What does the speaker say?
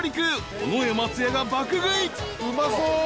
［尾上松也が爆食い］